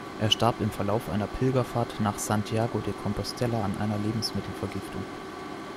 Er starb im Verlauf einer Pilgerfahrt nach Santiago de Compostela an einer Lebensmittelvergiftung.